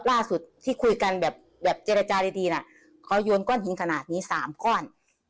ล่าสุดที่คุยกันแบบเจรจาดีน่ะเขาโยนก้อนหินขนาดนี้๓ก้อน